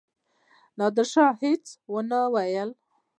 نادرشاه هیڅ ونه وايي.